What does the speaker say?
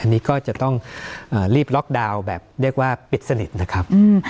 อันนี้ก็จะต้องรีบล็อกดาวน์แบบเรียกว่าปิดสนิทนะครับ